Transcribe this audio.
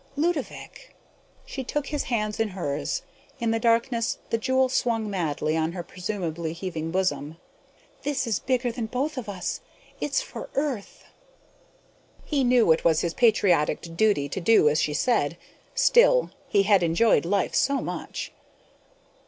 Ludovick...." She took his hands in hers; in the darkness, the jewel swung madly on her presumably heaving bosom. "This is bigger than both of us. It's for Earth." He knew it was his patriotic duty to do as she said; still, he had enjoyed life so much.